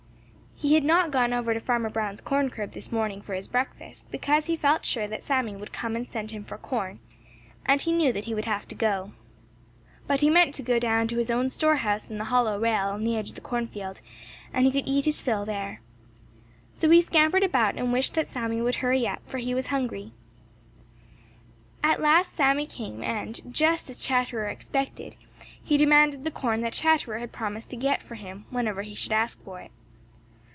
He had not gone over to Farmer Brown's corn crib this morning for his breakfast, because he felt sure that Sammy would come and send him for corn, and he knew that he would have to go. But he meant to go down to his own store house in the hollow rail on the edge of the cornfield and he could eat his fill there. So he scampered about and wished that Sammy would hurry up, for he was hungry. At last Sammy came, and just as Chatterer expected, he demanded the corn that Chatterer had promised to get for him whenever he should ask for it.